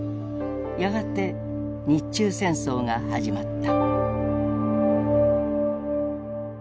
やがて日中戦争が始まった。